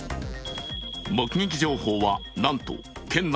目撃情報はなんと県内